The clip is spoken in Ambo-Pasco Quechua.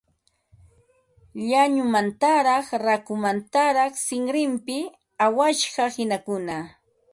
Llañumantaraq rakukamantaraq sinrinpi awasqa qinakuna